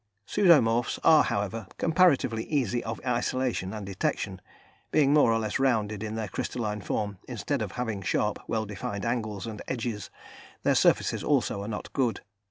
Pseudomorphs are, however, comparatively easy of isolation and detection, being more or less rounded in their crystalline form, instead of having sharp, well defined angles and edges; their surfaces also are not good.